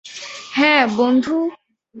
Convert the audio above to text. হ্যাঁ, বন্ধু!